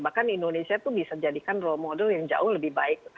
bahkan indonesia itu bisa jadikan role model yang jauh lebih baik